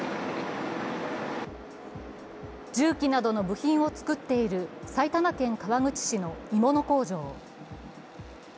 重機などの部品を作っている埼玉県川口市の鋳物工場。